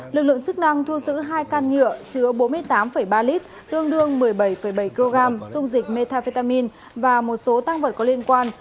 lực lượng chức năng thu giữ hai can nhựa chứa bốn mươi tám ba lít tương đương một mươi bảy bảy kg dung dịch metafetamin và một số tăng vật có liên quan